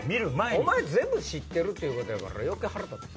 お前全部知ってるってことやから余計腹立つ。